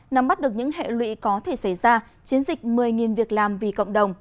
nắm bắt được những hệ lụy có thể xảy ra chiến dịch một mươi việc làm vì cộng đồng